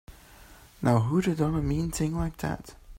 Now who'da done a mean thing like that?